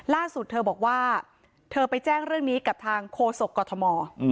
ล่าสุดเธอบอกว่าเธอไปแจ้งเรื่องนี้กับทางโฆษกฎมอร์อืม